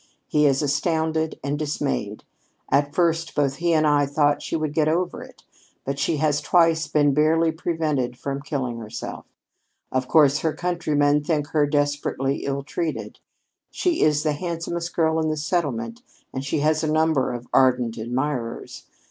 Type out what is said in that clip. He is astounded and dismayed. At first both he and I thought she would get over it, but she has twice been barely prevented from killing herself. Of course her countrymen think her desperately ill treated. She is the handsomest girl in the settlement, and she has a number of ardent admirers.